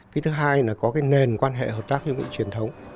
cái thứ hai là có cái nền quan hệ hợp tác như nguyện truyền thống